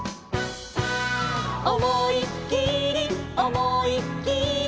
「おもいっきりおもいっきり」